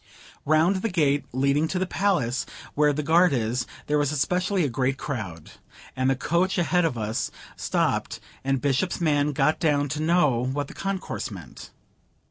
Round the gate leading to the Palace, where the guard is, there was especially a great crowd. And the coach ahead of us stopped, and the Bishop's man got down to know what the concourse meant?